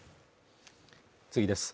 次です